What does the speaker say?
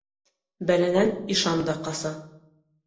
Бәләнән ишан да ҡаса.